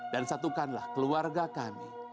dan satukanlah keluarga kami